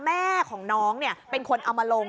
แม่ของน้องเป็นคนเอามาลง